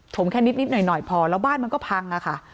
แค่นิดหน่อยพอแล้วบ้านมันก็พังค่ะ